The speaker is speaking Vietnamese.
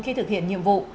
khi thực hiện nhiệm vụ